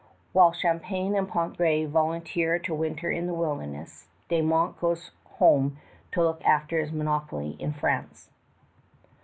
While Champlain and Pontgravé volunteer to winter in the wilderness, De Monts goes home to look after his monopoly in France.